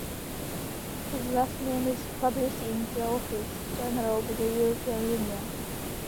His last name is published in the official journal of the European Union.